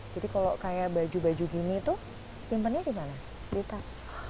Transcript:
jadi kalau kayak baju baju gini tuh simpannya di mana di tas